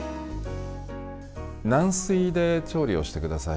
軟水で調理をしてください。